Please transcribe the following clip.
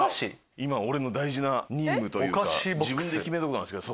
今俺の大事な任務というか自分で決めたことなんですけど。